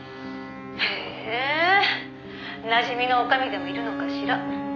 「へえなじみの女将でもいるのかしら？」